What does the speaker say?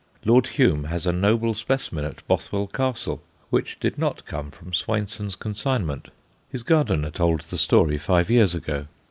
Lord Home has a noble specimen at Bothwell Castle, which did not come from Swainson's consignment. His gardener told the story five years ago.